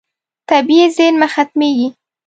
طبیعي زیرمه ختمېږي.